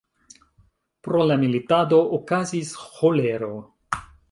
Pro la militado okazis ĥolero.